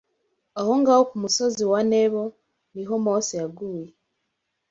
Aho ngaho ku Musozi wa Nebo ni ho Mose yaguye